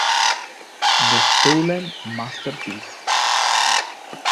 The Stolen Masterpiece